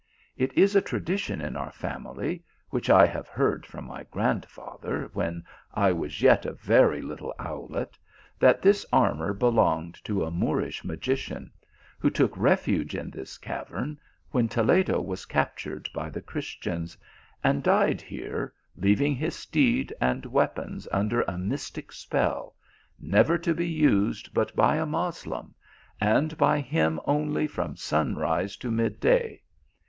It is a tradition in our family, which I have heard from my grandfather when I was yet but a very little owlet, that this armour be longed to a Moorish magician, who took refuge in. this cavern when Toledo was captured by the Chris tians, and died here, leaving his steed and weapons under a mystic spell, never to be used but by a Mos lem,, and by him only from sunrise to mid day.